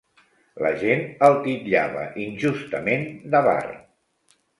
La gent el titllava injustament d'avar.